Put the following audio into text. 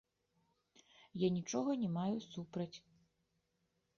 Я нічога не маю супраць.